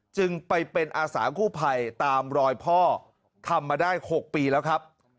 จึงไปเป็นอาสากู้ภัยตามรอยพ่อทำมาได้๖ปีแล้วครับ